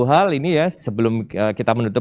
hal ini ya sebelum kita menutup